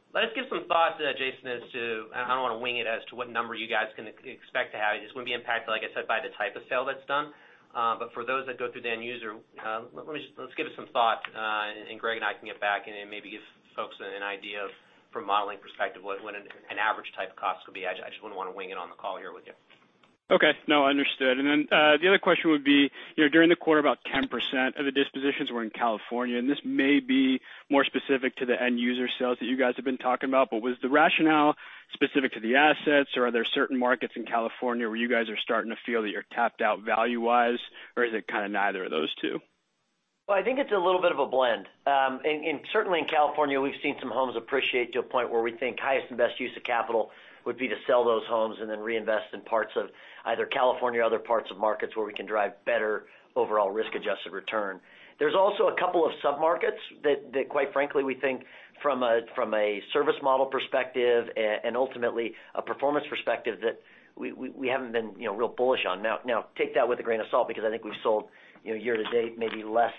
Speaker 5: Let us give some thought, Jason, as to I don't want to wing it as to what number you guys can expect to have. It's going to be impacted, like I said, by the type of sale that's done. For those that go through the end user, let's give it some thought, and Greg and I can get back and maybe give folks an idea from a modeling perspective what an average type cost could be. I just wouldn't want to wing it on the call here with you.
Speaker 11: Okay. No, understood. Then the other question would be, during the quarter, about 10% of the dispositions were in California, and this may be more specific to the end-user sales that you guys have been talking about, but was the rationale specific to the assets, or are there certain markets in California where you guys are starting to feel that you're tapped out value-wise, or is it kind of neither of those two?
Speaker 3: Well, I think it's a little bit of a blend. Certainly in California, we've seen some homes appreciate to a point where we think highest and best use of capital would be to sell those homes and then reinvest in parts of either California or other parts of markets where we can drive better overall risk-adjusted return. There's also a couple of sub-markets that quite frankly, we think from a service model perspective and ultimately a performance perspective, that we haven't been real bullish on. Now, take that with a grain of salt because I think we've sold year-to-date maybe a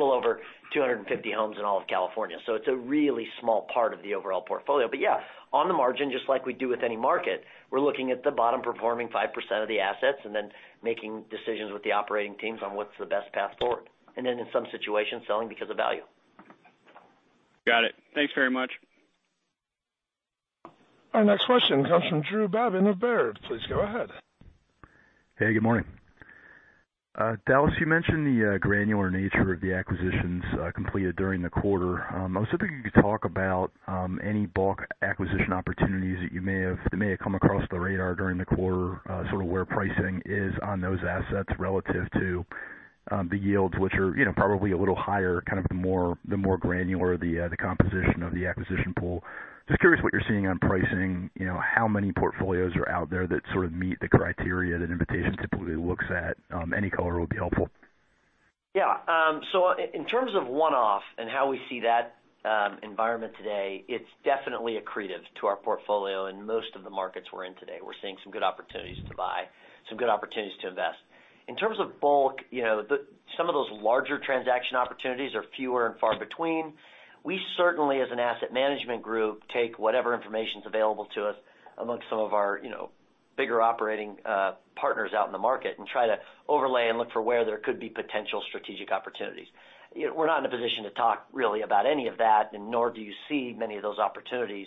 Speaker 3: little over 250 homes in all of California. It's a really small part of the overall portfolio. Yeah, on the margin, just like we do with any market, we're looking at the bottom performing 5% of the assets and then making decisions with the operating teams on what's the best path forward. Then in some situations, selling because of value.
Speaker 11: Got it. Thanks very much.
Speaker 1: Our next question comes from Drew Babin of Baird. Please go ahead.
Speaker 12: Hey, good morning. Dallas, you mentioned the granular nature of the acquisitions completed during the quarter. I was hoping you could talk about any bulk acquisition opportunities that may have come across the radar during the quarter, sort of where pricing is on those assets relative to the yields, which are probably a little higher, kind of the more granular the composition of the acquisition pool. Just curious what you're seeing on pricing, how many portfolios are out there that sort of meet the criteria that Invitation typically looks at. Any color would be helpful.
Speaker 3: Yeah. In terms of one-off and how we see that environment today, it's definitely accretive to our portfolio in most of the markets we're in today. We're seeing some good opportunities to buy, some good opportunities to invest. In terms of bulk, some of those larger transaction opportunities are fewer and far between. We certainly, as an asset management group, take whatever information's available to us amongst some of our bigger operating partners out in the market and try to overlay and look for where there could be potential strategic opportunities. We're not in a position to talk really about any of that, and nor do you see many of those opportunities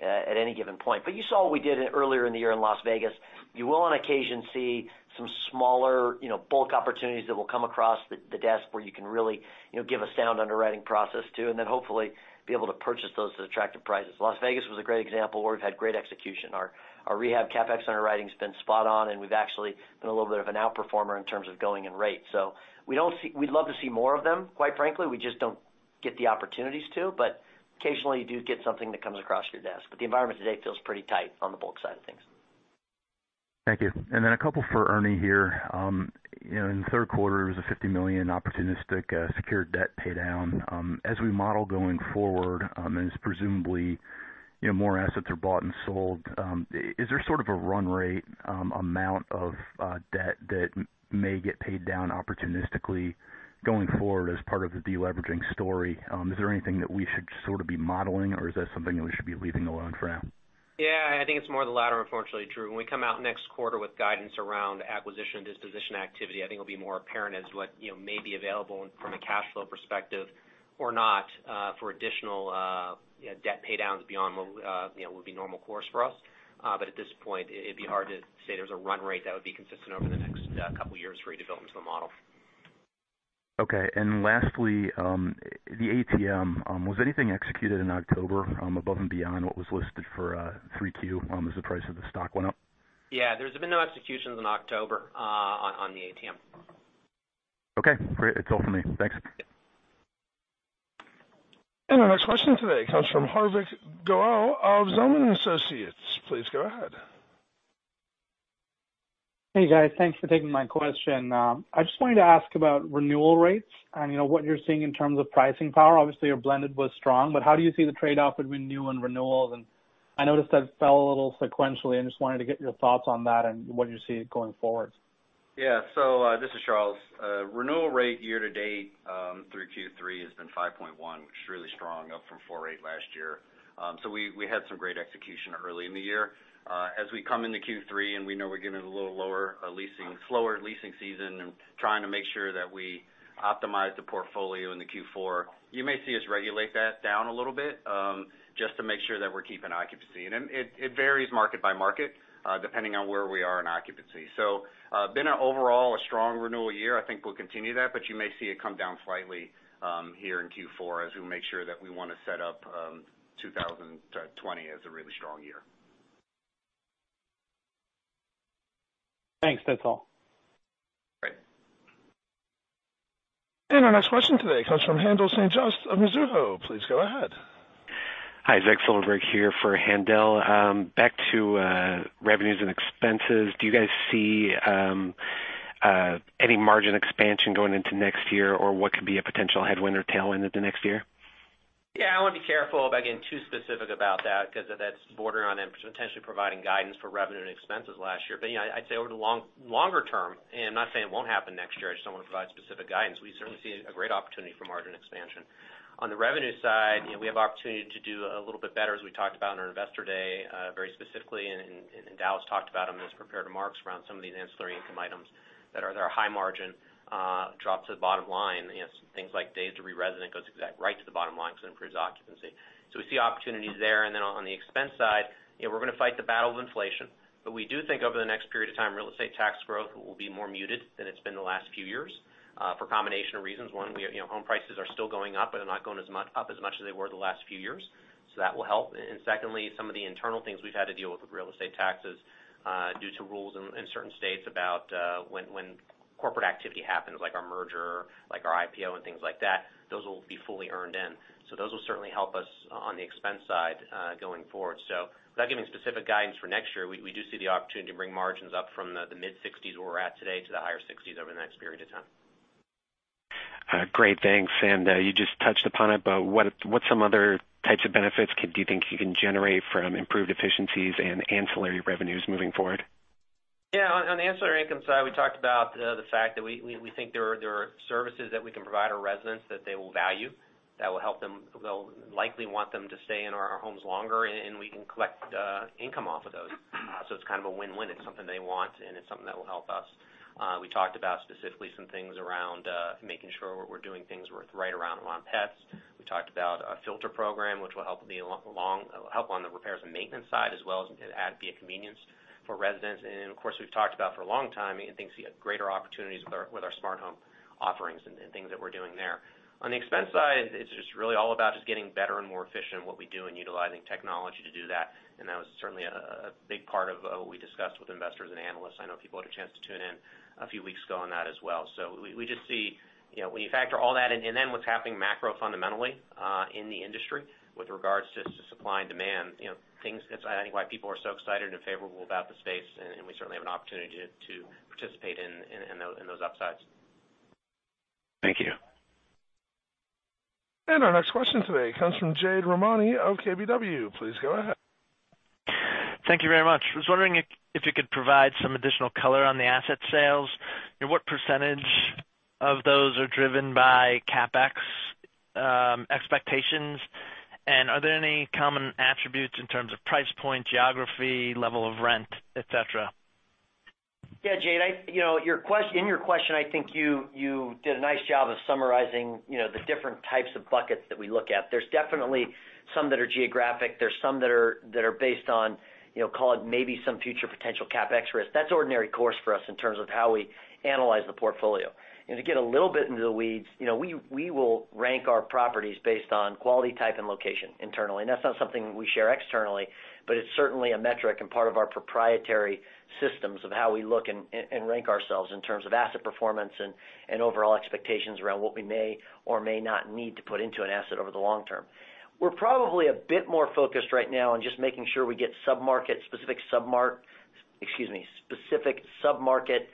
Speaker 3: at any given point. You saw what we did earlier in the year in Las Vegas. You will on occasion see some smaller bulk opportunities that will come across the desk where you can really give a sound underwriting process to. Hopefully be able to purchase those at attractive prices. Las Vegas was a great example where we've had great execution. Our rehab CapEx underwriting's been spot on, and we've actually been a little bit of an outperformer in terms of going in rate. We'd love to see more of them, quite frankly. We just don't get the opportunities to, but occasionally, you do get something that comes across your desk. The environment today feels pretty tight on the bulk side of things.
Speaker 12: Thank you. A couple for Ernie here. In the third quarter, there was a $50 million opportunistic secured debt paydown. As we model going forward, and as presumably more assets are bought and sold, is there sort of a run rate amount of debt that may get paid down opportunistically going forward as part of the de-leveraging story? Is there anything that we should sort of be modeling, or is that something that we should be leaving alone for now?
Speaker 5: Yeah, I think it's more of the latter, unfortunately, Drew. When we come out next quarter with guidance around acquisition disposition activity, I think it'll be more apparent as what may be available from a cash flow perspective or not for additional debt paydowns beyond what would be normal course for us. At this point, it'd be hard to say there's a run rate that would be consistent over the next couple of years for you to build into the model.
Speaker 12: Okay. Lastly, the ATM, was anything executed in October above and beyond what was listed for 3Q as the price of the stock went up?
Speaker 5: Yeah, there's been no executions in October on the ATM.
Speaker 12: Okay, great. That's all for me. Thanks.
Speaker 1: Our next question today comes from Hardik Goel of Zelman & Associates. Please go ahead.
Speaker 13: Hey, guys. Thanks for taking my question. I just wanted to ask about renewal rates and what you're seeing in terms of pricing power. Obviously, your blended was strong, but how do you see the trade-off between new and renewals? I noticed that fell a little sequentially. I just wanted to get your thoughts on that and what you see going forward.
Speaker 4: Yeah. This is Charles. Renewal rate year to date through Q3 has been 5.1, which is really strong, up from 4.8 last year. We had some great execution early in the year. As we come into Q3, and we know we're getting a little slower leasing season and trying to make sure that we optimize the portfolio in the Q4, you may see us regulate that down a little bit, just to make sure that we're keeping occupancy. It varies market by market, depending on where we are in occupancy. Been an overall a strong renewal year. I think we'll continue that, but you may see it come down slightly here in Q4 as we make sure that we want to set up 2020 as a really strong year.
Speaker 13: Thanks. That's all.
Speaker 4: Great.
Speaker 1: Our next question today comes from Haendel St. Juste of Mizuho. Please go ahead.
Speaker 14: Hi, Zachary Silverberg here for Haendel. Back to revenues and expenses, do you guys see any margin expansion going into next year, or what could be a potential headwind or tailwind into next year?
Speaker 5: Yeah, I want to be careful about getting too specific about that because that's bordering on potentially providing guidance for revenue and expenses last year. Yeah, I'd say over the longer term, and I'm not saying it won't happen next year, I just don't want to provide specific guidance, we certainly see a great opportunity for margin expansion. On the revenue side, we have opportunity to do a little bit better, as we talked about on our Investor Day very specifically, and Dallas talked about on those prepared remarks around some of these ancillary income items that are their high margin drop to the bottom line. Some things like days to re-resident goes right to the bottom line because it improves occupancy. We see opportunities there. On the expense side, we're going to fight the battle of inflation. We do think over the next period of time, real estate tax growth will be more muted than it's been the last few years for a combination of reasons. One, home prices are still going up, but they're not going up as much as they were the last few years, so that will help. Secondly, some of the internal things we've had to deal with real estate taxes due to rules in certain states about when corporate activity happens, like our merger, like our IPO and things like that, those will be fully earned in. Those will certainly help us on the expense side going forward. Without giving specific guidance for next year, we do see the opportunity to bring margins up from the mid-60s% where we're at today to the higher 60s% over the next period of time.
Speaker 14: Great. Thanks. You just touched upon it, but what some other types of benefits do you think you can generate from improved efficiencies and ancillary revenues moving forward?
Speaker 5: On the ancillary income side, we talked about the fact that we think there are services that we can provide our residents that they will value, that will help them. They'll likely want them to stay in our homes longer. We can collect income off of those. It's kind of a win-win. It's something they want, and it's something that will help us. We talked about specifically some things around making sure we're doing things right around and on pets. We talked about a filter program which will help on the repairs and maintenance side, as well as it will be a convenience for residents. Of course, we've talked about, for a long time, greater opportunities with our smart home offerings and things that we're doing there. On the expense side, it's just really all about just getting better and more efficient in what we do and utilizing technology to do that. That was certainly a big part of what we discussed with investors and analysts. I know people had a chance to tune in a few weeks ago on that as well. We just see, when you factor all that in, and then what's happening macro fundamentally in the industry with regards to supply and demand, things that's, I think, why people are so excited and favorable about the space, and we certainly have an opportunity to participate in those upsides.
Speaker 14: Thank you.
Speaker 1: Our next question today comes from Jade Rahmani of KBW. Please go ahead.
Speaker 15: Thank you very much. I was wondering if you could provide some additional color on the asset sales, and what percentage of those are driven by CapEx expectations, and are there any common attributes in terms of price point, geography, level of rent, et cetera?
Speaker 3: Yeah, Jade, in your question, I think you did a nice job of summarizing the different types of buckets that we look at. There's definitely some that are geographic. There's some that are based on, call it maybe some future potential CapEx risk. That's ordinary course for us in terms of how we analyze the portfolio. To get a little bit into the weeds, we will rank our properties based on quality type and location internally. That's not something we share externally, but it's certainly a metric and part of our proprietary systems of how we look and rank ourselves in terms of asset performance and overall expectations around what we may or may not need to put into an asset over the long term. We're probably a bit more focused right now on just making sure we get specific sub-market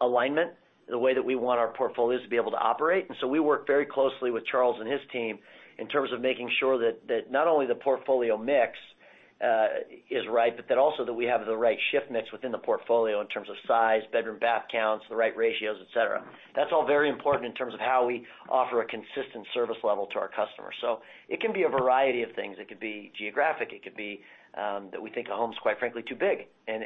Speaker 3: alignment the way that we want our portfolios to be able to operate. We work very closely with Charles and his team in terms of making sure that not only the portfolio mix is right, but that also that we have the right shift mix within the portfolio in terms of size, bedroom, bath counts, the right ratios, et cetera. That's all very important in terms of how we offer a consistent service level to our customers. It can be a variety of things. It could be geographic. It could be that we think a home's, quite frankly, too big, and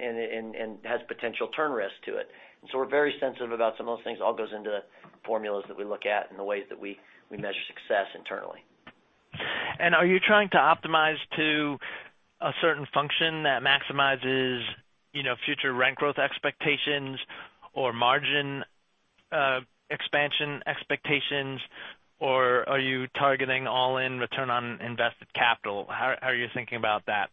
Speaker 3: has potential turn risk to it. We're very sensitive about some of those things. It all goes into formulas that we look at and the ways that we measure success internally.
Speaker 15: Are you trying to optimize to a certain function that maximizes future rent growth expectations or margin expansion expectations? Are you targeting all-in return on invested capital? How are you thinking about that?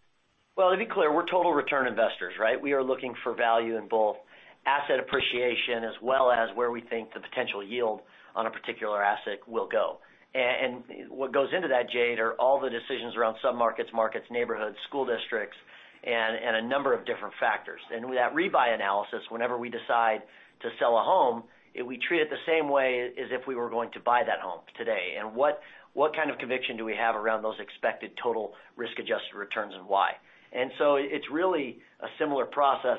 Speaker 3: Well, to be clear, we're total return investors, right? We are looking for value in both asset appreciation as well as where we think the potential yield on a particular asset will go. What goes into that, Jade, are all the decisions around sub-markets, markets, neighborhoods, school districts, and a number of different factors. With that rebuy analysis, whenever we decide to sell a home, we treat it the same way as if we were going to buy that home today. What kind of conviction do we have around those expected total risk-adjusted returns and why? It's really a similar process.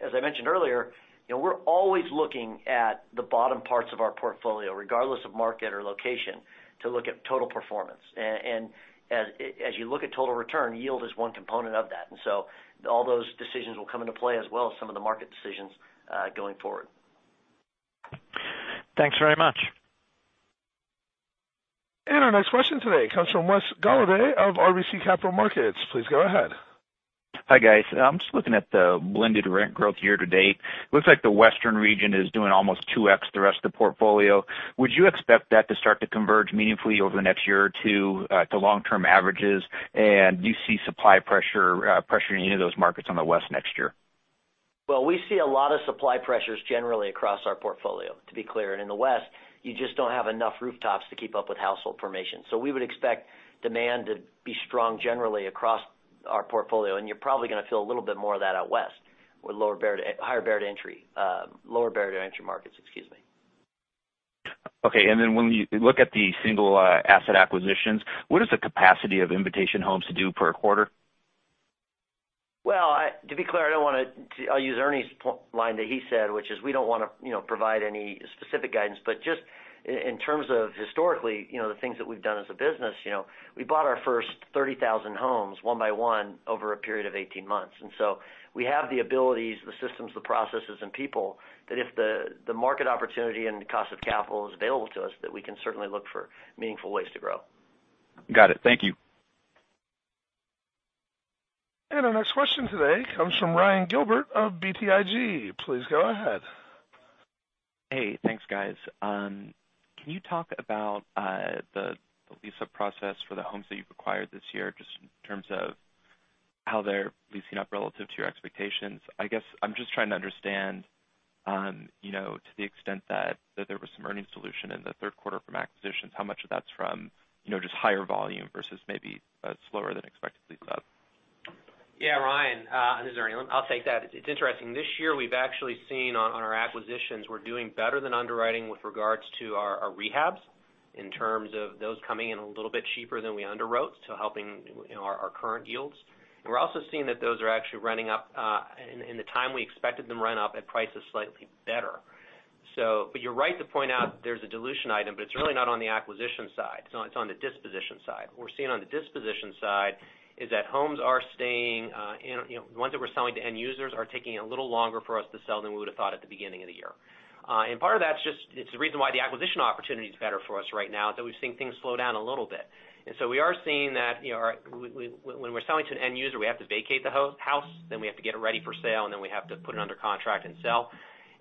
Speaker 3: As I mentioned earlier, we're always looking at the bottom parts of our portfolio, regardless of market or location, to look at total performance. As you look at total return, yield is one component of that. All those decisions will come into play as well as some of the market decisions going forward.
Speaker 15: Thanks very much.
Speaker 1: Our next question today comes from Wesley Golladay of RBC Capital Markets. Please go ahead.
Speaker 16: Hi, guys. I'm just looking at the blended rent growth year to date. It looks like the Western region is doing almost 2X the rest of the portfolio. Would you expect that to start to converge meaningfully over the next year or two to long-term averages? Do you see supply pressure pressuring any of those markets on the West next year?
Speaker 3: Well, we see a lot of supply pressures generally across our portfolio, to be clear. In the west, you just don't have enough rooftops to keep up with household formation. We would expect demand to be strong generally across our portfolio. You're probably going to feel a little bit more of that out west with lower barrier to entry markets. Excuse me.
Speaker 16: Okay. When you look at the single asset acquisitions, what is the capacity of Invitation Homes to do per quarter?
Speaker 3: Well, to be clear, I'll use Ernie's line that he said, which is we don't want to provide any specific guidance. Just in terms of historically, the things that we've done as a business, we bought our first 30,000 homes one by one over a period of 18 months. We have the abilities, the systems, the processes, and people that if the market opportunity and cost of capital is available to us, that we can certainly look for meaningful ways to grow.
Speaker 16: Got it. Thank you.
Speaker 1: Our next question today comes from Ryan Gilbert of BTIG. Please go ahead.
Speaker 17: Hey, thanks, guys. Can you talk about the lease-up process for the homes that you've acquired this year, just in terms of how they're leasing up relative to your expectations? I guess I'm just trying to understand to the extent that there was some earnings dilution in the third quarter from acquisitions, how much of that's from just higher volume versus maybe a slower than expected lease-up?
Speaker 5: Yeah, Ryan, this is Ernie. I'll take that. It's interesting. This year, we've actually seen on our acquisitions, we're doing better than underwriting with regards to our rehabs in terms of those coming in a little bit cheaper than we underwrote, so helping our current yields. We're also seeing that those are actually running up in the time we expected them run up at prices slightly better. You're right to point out there's a dilution item, but it's really not on the acquisition side. It's on the disposition side. What we're seeing on the disposition side is that the ones that we're selling to end users are taking a little longer for us to sell than we would've thought at the beginning of the year. Part of that's just, it's the reason why the acquisition opportunity's better for us right now, is that we've seen things slow down a little bit. We are seeing that when we're selling to an end user, we have to vacate the house, then we have to get it ready for sale, and then we have to put it under contract and sell.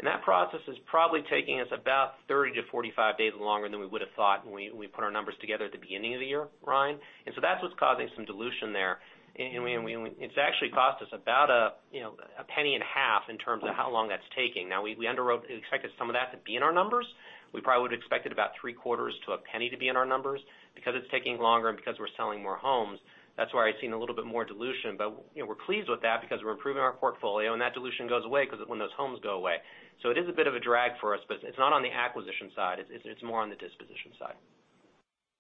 Speaker 5: That process is probably taking us about 30 to 45 days longer than we would've thought when we put our numbers together at the beginning of the year, Ryan. That's what's causing some dilution there. It's actually cost us about a penny and a half in terms of how long that's taking. Now, we underwrote and expected some of that to be in our numbers. We probably would've expected about three-quarters to a penny to be in our numbers. Because it's taking longer and because we're selling more homes, that's why it's seen a little bit more dilution. We're pleased with that because we're improving our portfolio, and that dilution goes away when those homes go away. It is a bit of a drag for us, but it's not on the acquisition side, it's more on the disposition side.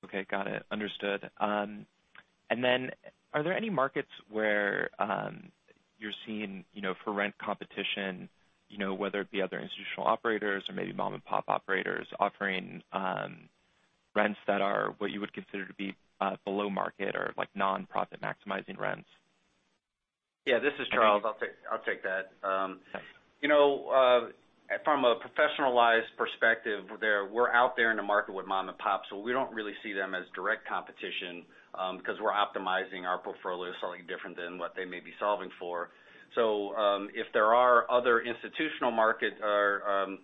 Speaker 17: Okay, got it. Understood. Are there any markets where you're seeing for rent competition, whether it be other institutional operators or maybe mom-and-pop operators offering rents that are what you would consider to be below market or nonprofit maximizing rents?
Speaker 4: This is Charles. I'll take that.
Speaker 17: Okay.
Speaker 4: From a professionalized perspective, we're out there in the market with mom and pop, so we don't really see them as direct competition because we're optimizing our portfolio, solving different than what they may be solving for. If there are other institutional market or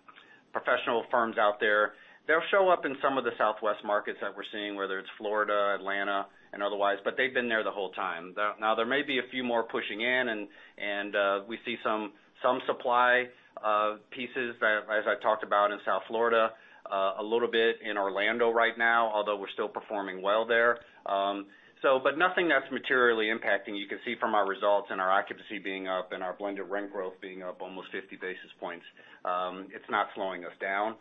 Speaker 4: professional firms out there, they'll show up in some of the Southwest markets that we're seeing, whether it's Florida, Atlanta, and otherwise, but they've been there the whole time. Now, there may be a few more pushing in, and we see some supply pieces, as I've talked about in South Florida, a little bit in Orlando right now, although we're still performing well there. Nothing that's materially impacting. You can see from our results and our occupancy being up and our blended rent growth being up almost 50 basis points. It's not slowing us down.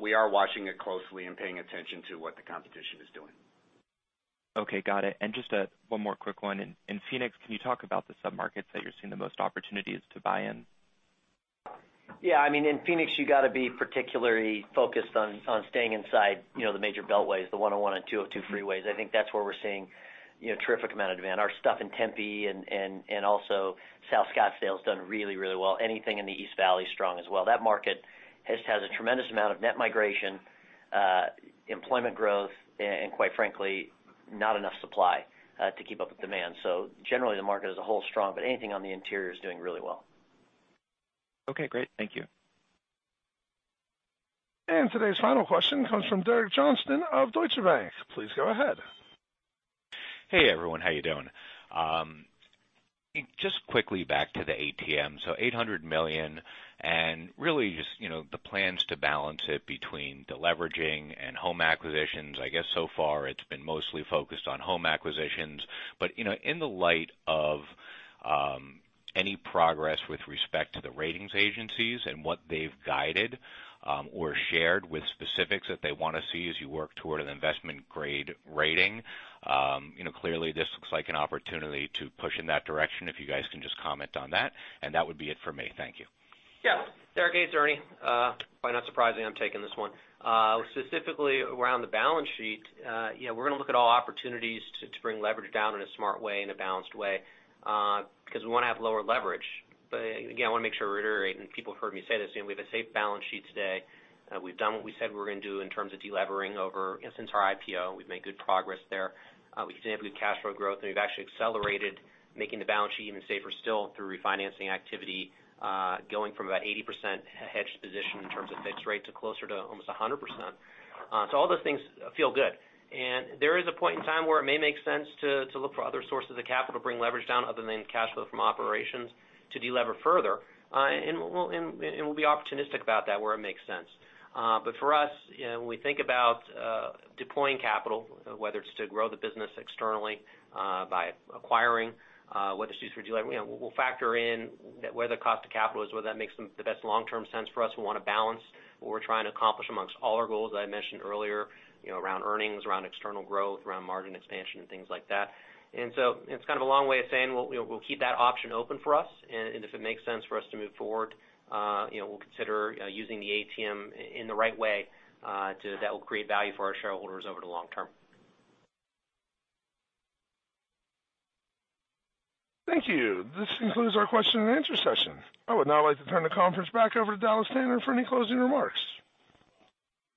Speaker 4: We are watching it closely and paying attention to what the competition is doing.
Speaker 17: Okay, got it. Just one more quick one. In Phoenix, can you talk about the sub-markets that you're seeing the most opportunities to buy in?
Speaker 3: Yeah, in Phoenix, you got to be particularly focused on staying inside the major beltways, the 101 and 202 freeways. I think that's where we're seeing a terrific amount of demand. Our stuff in Tempe and also South Scottsdale's done really, really well. Anything in the East Valley is strong as well. That market just has a tremendous amount of net migration, employment growth, and quite frankly, not enough supply to keep up with demand. Generally, the market as a whole is strong, but anything on the interior is doing really well.
Speaker 17: Okay, great. Thank you.
Speaker 1: Today's final question comes from Derek Johnston of Deutsche Bank. Please go ahead.
Speaker 18: Hey, everyone. How are you doing? Just quickly back to the ATM. $800 million, and really just the plans to balance it between deleveraging and home acquisitions. I guess so far it's been mostly focused on home acquisitions. In the light of any progress with respect to the ratings agencies and what they've guided or shared with specifics that they want to see as you work toward an investment grade rating, clearly this looks like an opportunity to push in that direction. If you guys can just comment on that, and that would be it for me. Thank you.
Speaker 5: Yeah. Derek, it's Ernie. Probably not surprising I'm taking this one. Specifically around the balance sheet, we're going to look at all opportunities to bring leverage down in a smart way and a balanced way because we want to have lower leverage. Again, I want to make sure we're reiterating. People have heard me say this, we have a safe balance sheet today. We've done what we said we were going to do in terms of delevering over since our IPO. We've made good progress there. We've actually accelerated making the balance sheet even safer still through refinancing activity, going from about 80% hedged position in terms of fixed rate to closer to almost 100%. All those things feel good. There is a point in time where it may make sense to look for other sources of capital to bring leverage down other than cash flow from operations to delever further. We'll be opportunistic about that where it makes sense. For us, when we think about deploying capital, whether it's to grow the business externally by acquiring, whether it's used for deleveraging, we'll factor in where the cost of capital is, whether that makes the best long-term sense for us. We want to balance what we're trying to accomplish amongst all our goals, as I mentioned earlier, around earnings, around external growth, around margin expansion, and things like that. It's kind of a long way of saying we'll keep that option open for us, and if it makes sense for us to move forward, we'll consider using the ATM in the right way that will create value for our shareholders over the long term.
Speaker 1: Thank you. This concludes our question and answer session. I would now like to turn the conference back over to Dallas Tanner for any closing remarks.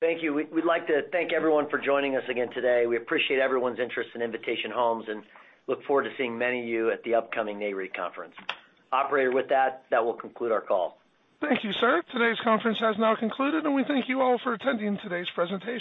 Speaker 3: Thank you. We'd like to thank everyone for joining us again today. We appreciate everyone's interest in Invitation Homes and look forward to seeing many of you at the upcoming NAREIT conference. Operator, with that will conclude our call.
Speaker 1: Thank you, sir. Today's conference has now concluded, and we thank you all for attending today's presentation.